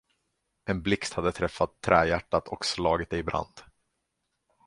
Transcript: En blixt hade träffat trähjärtat och slagit det i brand.